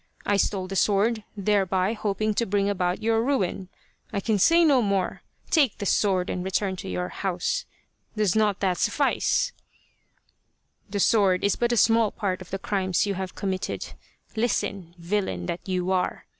I stole the sword, thereby hoping to bring about your ruin. I can say no more. Take the sword and return to your house. Does not that suffice f "" The sword is but a small part of the crimes you have committed. Listen, villain that you are